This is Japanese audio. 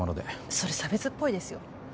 それ差別っぽいですよ。